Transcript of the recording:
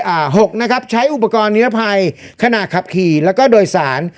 หกนะครับใช้อุปกรณ์นิรภัยขณะขับขี่แล้วก็โดยสาร